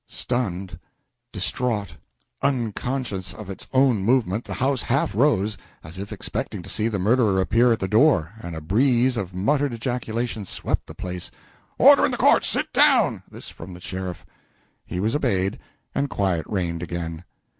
Stunned, distraught, unconscious of its own movement, the house half rose, as if expecting to see the murderer appear at the door, and a breeze of muttered ejaculations swept the place. "Order in the court! sit down!" This from the sheriff. He was obeyed, and quiet reigned again.